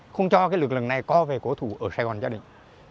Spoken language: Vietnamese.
không cho lực lượng này co về cổ thủ ở sài gòn cho địch